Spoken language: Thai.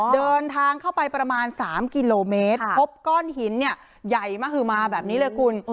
เดินทางเข้าไปประมาณ๓กิโลเมตรพบก้อนหินเนี่ยใหญ่มหือมาแบบนี้เลยคุณ